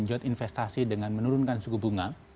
menjud investasi dengan menurunkan suku bunga